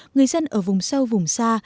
người dân ở vùng sâu vùng xa